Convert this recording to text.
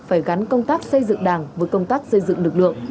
phải gắn công tác xây dựng đảng với công tác xây dựng lực lượng